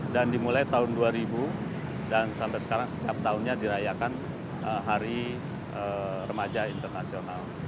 dan dimulai tahun dua ribu dan sampai sekarang setiap tahunnya dirayakan hari remaja internasional